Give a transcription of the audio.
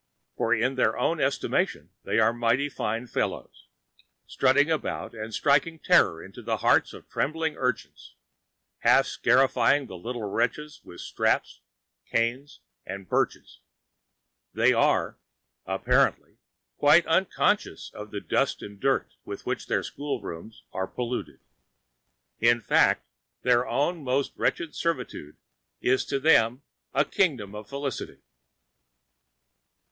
For in their own estimation they are mighty fine fellows, strutting about and striking terror into the hearts of trembling urchins, half scarifying the little wretches with straps, canes, and birches. They are, apparently, quite unconscious of the dust and dirt with which their schoolrooms are polluted. In fact, their own most wretched servitude is to them a kingdom of felicity.